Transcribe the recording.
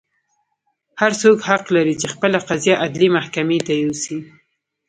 هر څوک حق لري چې خپله قضیه عدلي محکمې ته یوسي.